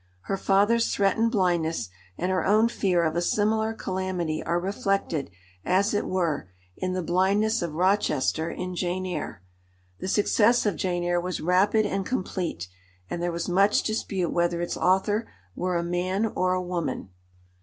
Her father's threatened blindness and her own fear of a similar calamity are reflected, as it were, in the blindness of Rochester in Jane Eyre. The success of Jane Eyre was rapid and complete, and there was much dispute whether its author were a man or a woman.